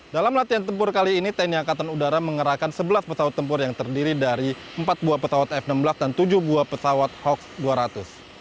dalam latihan tempur kali ini tni angkatan udara mengerahkan sebelas pesawat tempur yang terdiri dari empat buah pesawat f enam belas dan tujuh buah pesawat hoax dua ratus